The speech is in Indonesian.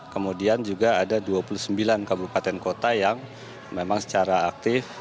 kemudian juga ada dua puluh sembilan kabupaten kota yang memang secara aktif